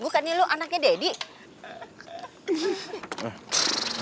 gua kasih lu anaknya deddy